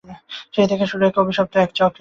সেই থেকে শুরু অভিশপ্ত এক চক্রের।